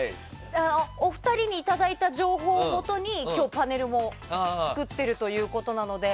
お二人にいただいた情報をもとに今日、パネルも作っているということなので。